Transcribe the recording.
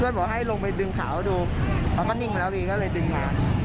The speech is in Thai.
เพื่อนบอกให้ลงไปดึงขาเขาดูเขาก็นิ่งไปแล้วพี่ก็เลยดึงมาอ๋อ